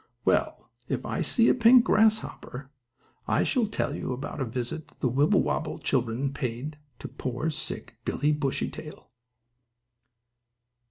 Well, if I see a pink grasshopper, I shall tell you about a visit the Wibblewobble children paid to poor, sick, Billie Bushytail.